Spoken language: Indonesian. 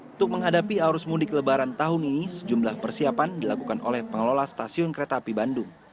untuk menghadapi arus mudik lebaran tahun ini sejumlah persiapan dilakukan oleh pengelola stasiun kereta api bandung